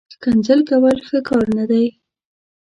ښکنځل کول، ښه کار نه دئ